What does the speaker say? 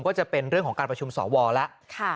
ก็จะเป็นเรื่องของการประชุมสวแล้ว